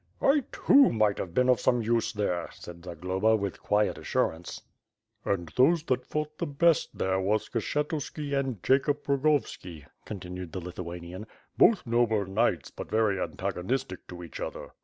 "I too, might have been of some use there,' said Zagloba with quiet assurance. "And those that fought the best there were Skshetuski and Jacob Rogovski," continued the Lithuanian. "Both noble knights, but very antagonistic to each other.